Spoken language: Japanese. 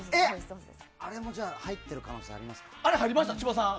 あれも入ってる可能性あるのか。